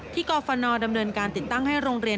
กรฟนดำเนินการติดตั้งให้โรงเรียน